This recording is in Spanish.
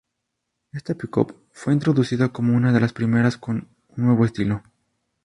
Esta pick-up fue introducida como una de las primeras con un nuevo estilo.